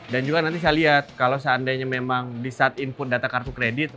dan juga nanti saya lihat kalau seandainya memang disaat input data kartu kredit